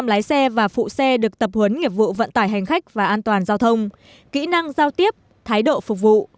năm mươi lái xe và phụ xe được tập huấn nghiệp vụ vận tải hành khách và an toàn giao thông kỹ năng giao tiếp thái độ phục vụ